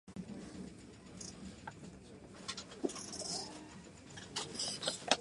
ただその日その日がどうにかこうにか送られればよい